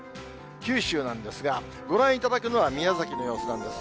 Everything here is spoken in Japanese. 九州なんですが、ご覧いただくのは宮崎の様子なんです。